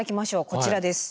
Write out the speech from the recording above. こちらです。